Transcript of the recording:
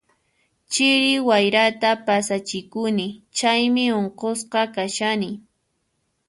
Chiri wayrata pasachikuni, chaymi unqusqa kashani.